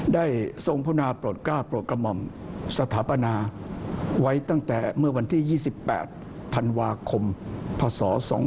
ทรงพุนาโปรดกล้าโปรดกระหม่อมสถาปนาไว้ตั้งแต่เมื่อวันที่๒๘ธันวาคมพศ๒๕๖